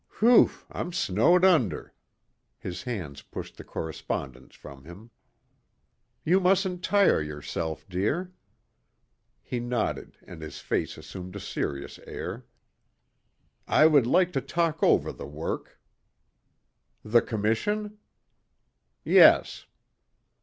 "Whew, I'm snowed under." His hands pushed the correspondence from him. "You mustn't tire yourself, dear." He nodded and his face assumed a serious air. "I would like to talk over the work." "The Commission?" "Yes."